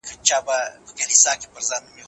خلګ بايد د نورو ضرر ونه غواړي.